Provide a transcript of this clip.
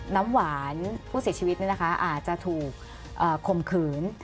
น้ำหวานผู้เสียชีวิตอาจจะถูกข่มขืน